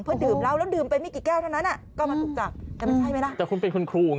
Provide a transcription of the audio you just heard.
เพื่อดื่มเล่าแล้วดื่มไปไม่กี่แก้วเท่านั้นก็มาถูกจับแต่ไม่ใช่ไหมล่ะ